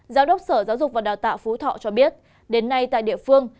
giám đốc sở giáo dục và đào tạo phú thọ cho biết đến nay tại địa phương